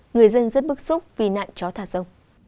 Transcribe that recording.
người dân rất bức xúc vì nạn chó thả rông